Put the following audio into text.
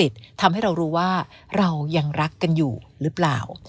ทำให้เรารู้ว่าเรายังรักกันอยู่หรือเปล่า